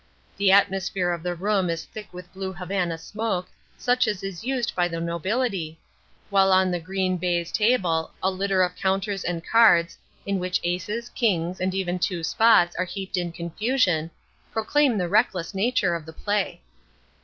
The atmosphere of the room is thick with blue Havana smoke such as is used by the nobility, while on the green baize table a litter of counters and cards, in which aces, kings, and even two spots are heaped in confusion, proclaim the reckless nature of the play.